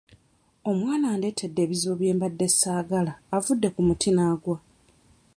Omwana andeetedde ebizibu bye mbadde ssaagala avudde ku muti n'aggwa.